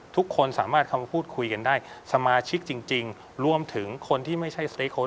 ทุกคนสามารถเข้ามาพูดคุยกันได้สมาชิกจริงรวมถึงคนที่ไม่ใช่สเต้